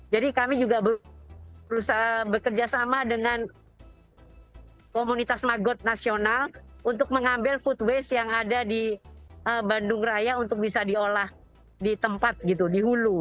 jadi kami juga berusaha bekerjasama dengan komunitas magot nasional untuk mengambil food waste yang ada di bandung raya untuk bisa diolah di tempat gitu di hulu